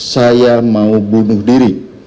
saya mau bunuh diri